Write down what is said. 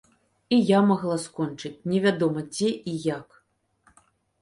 І я магла скончыць невядома дзе і як.